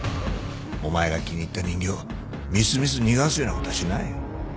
お前が気に入った人形をみすみす逃がすようなことはしないよ。